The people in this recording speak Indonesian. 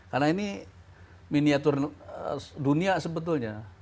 karena ini miniatur dunia sebetulnya